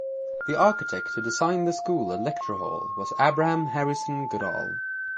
The architect who designed the school and lecture hall was Abraham Harrison Goodall.